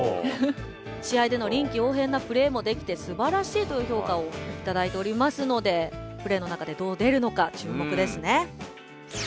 試合でのりんきおうへんなプレーもできてすばらしいというひょうかをいただいておりますのでプレーの中でどう出るのか注目ですね。